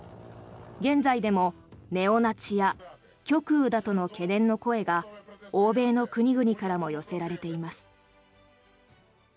現在でもネオナチや極右だとの懸念の声が欧米の国々からも寄せられています。